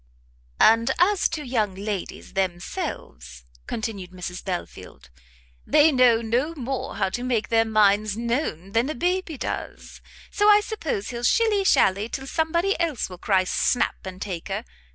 "And as to young ladies themselves," continued Mrs Belfield, "they know no more how to make their minds known than a baby does: so I suppose he'll shilly shally till somebody else will cry snap, and take her.